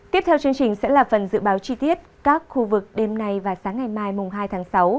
tiếp theo chương trình sẽ là phần dự báo chi tiết các khu vực đêm nay và sáng ngày mai hai tháng sáu